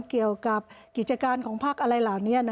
เกี่ยวกับกิจการของพักอะไรเหล่านี้